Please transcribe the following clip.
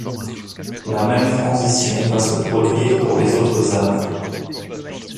La même transition va se produire pour les autres arts.